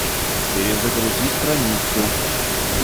Перезагрузи страницу